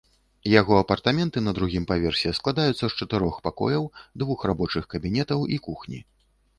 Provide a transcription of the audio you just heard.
Яго апартаменты на другім паверсе складаюцца з чатырох пакояў, двух рабочых кабінетаў і кухні.